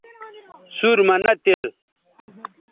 سُور مہ نہ تِل